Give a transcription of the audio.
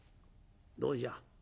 「どうじゃ？